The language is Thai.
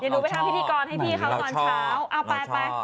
เดี๋ยวหนูไปทำพิธีกรให้พี่เขาตอนเช้าเอาไปไป